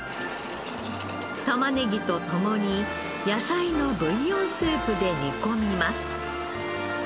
タマネギと共に野菜のブイヨンスープで煮込みます。